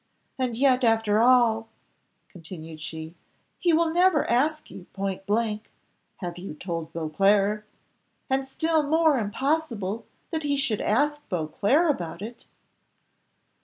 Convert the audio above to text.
And yet, after all," continued she, "he will never ask you point blank, 'Have you told Beauclerc?' and still more impossible that he should ask Beauclerc about it."